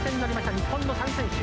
日本の３選手。